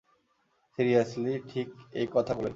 Seriously, ঠিক এই কথাগুলোই।